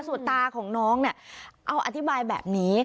ส่วนตาของน้องเนี่ยเอาอธิบายแบบนี้